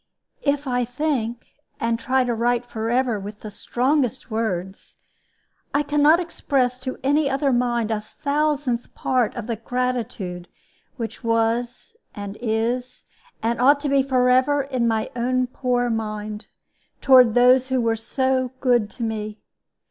If I think, and try to write forever with the strongest words, I can not express to any other mind a thousandth part of the gratitude which was and is, and ought to be forever, in my own poor mind toward those who were so good to me.